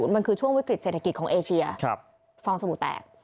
มันคือช่วงวิกฤตเศรษฐกิจของเอเชียฟองสบู่แตก